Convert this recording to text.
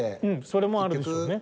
それもあるでしょうね。